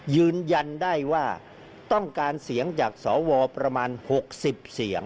ยืนยันได้ว่าต้องการเสียงจากสวประมาณ๖๐เสียง